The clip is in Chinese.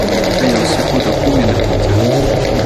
该游戏获得负面的评价。